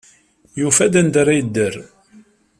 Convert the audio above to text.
Yufa-d anda ara yedder.